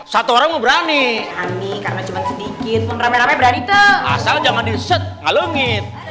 satu orang berani sedikit berani